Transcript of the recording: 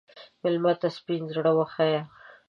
مېلمه ته سپین زړه وښیه.